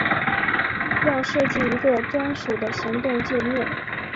要设计一个专属的行动介面